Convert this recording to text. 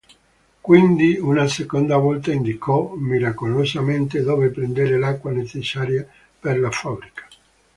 Quindi una seconda volta indicò miracolosamente dove prendere l'acqua necessaria per la fabbrica.